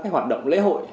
các hoạt động lễ hội